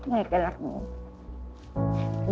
แม่ก็รักหนู